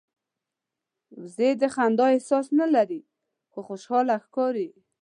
وزې د خندا احساس نه لري خو خوشاله ښکاري